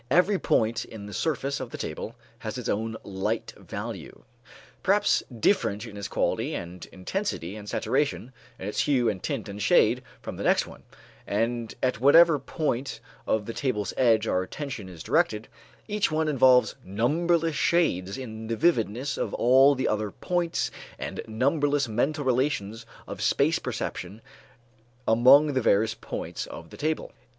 Every point in the surface of the table has its own light value, perhaps different in its quality and intensity and saturation, in its hue and tint and shade from the next one, and at whatever point of the table's edge our attention is directed, each one involves numberless shades in the vividness of all the other points and numberless mental relations of space perception among the various parts of the table.